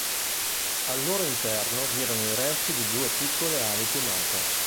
Al loro interno vi erano i resti di due piccole ali piumate.